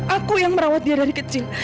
aku yang merawat dia dari kecil